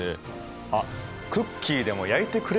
あっクッキーでも焼いてくれるのかな？